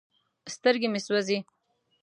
سترګې مې سوزي ـ